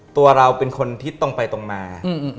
ตัวเราเป็นคนทิศตรงไปตรงมา